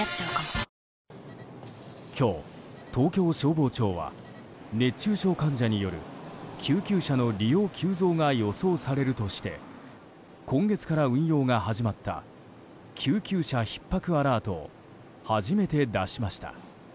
今日、東京消防庁は熱中症患者による救急車の利用急増が予想されるとして今月から運用が始まった救急車ひっ迫アラートを初めて出しました。